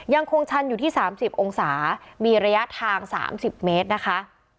ยังคงชันอยู่ที่สามสิบองศามีระยะทางสามสิบเมตรนะคะ